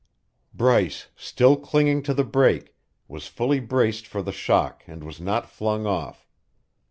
Bryce, still clinging to the brake, was fully braced for the shock and was not flung off.